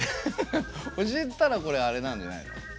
教えたらこれあれなんじゃないの？